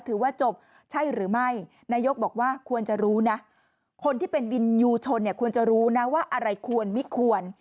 ถือว่าจบใช่หรือไม่นายกบอกว่าควรจะรู้นะคนที่เป็นวินยูชนเนี่ยควรจะรู้นะว่าอะไรควรไม่ควร